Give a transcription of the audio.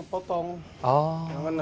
ini buat anaknya bang